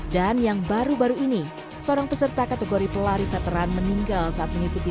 dua ribu sembilan dan yang baru baru ini seorang peserta kategori pelari veteran meninggal saat mengikuti